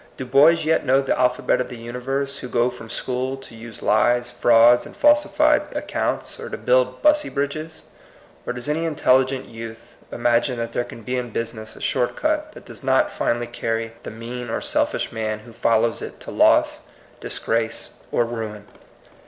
Do boys yet know the alphabet of the universe who go from school to use lies, frauds, and falsi fied accounts, or to build Bussey Bridges ? Or does any intelligent youth imagine that there can be in business a short cut that does not finally carry the mean or selfish man who follows it to loss, disgrace, or ruin?